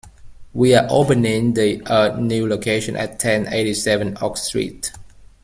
We are opening the a new location at ten eighty-seven Oak Street.